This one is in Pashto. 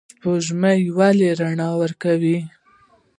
سپوږمۍ ولې رڼا ورکوي؟